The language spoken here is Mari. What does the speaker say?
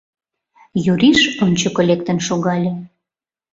— Юриш ончыко лектын шогале.